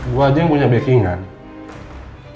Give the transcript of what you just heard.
gue aja yang punya bikinan